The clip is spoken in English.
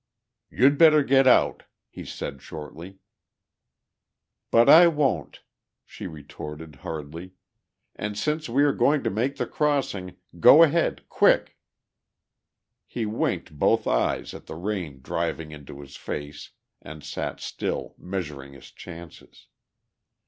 "You'd better get out," he said shortly. "But I won't!" she retorted hurriedly. "And, since we are going to make the crossing ... go ahead, quick!" He winked both eyes at the rain driving into his face and sat still, measuring his chances.